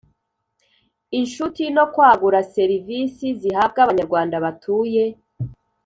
Inshuti no kwagura serivisi zihabwa abanyarwanda batuye